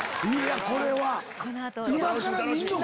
これ今から見んのか？